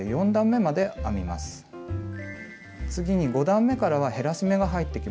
次に５段めからは減らし目が入ってきます。